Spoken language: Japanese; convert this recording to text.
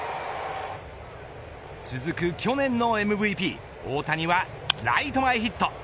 続く去年のＭＶＰ大谷はライト前ヒット。